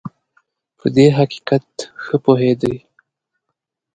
په دې حقیقت ښه پوهېدی.